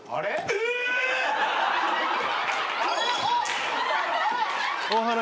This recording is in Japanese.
えっ！？